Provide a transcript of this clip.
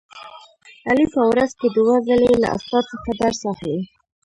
علي په ورځ کې دوه ځلې له استاد څخه درس اخلي.